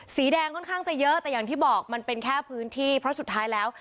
สีแดงค่อนข้างจะเยอะแต่อย่างที่บอกมันเป็นแค่พื้นที่เพราะสุดท้ายแล้ว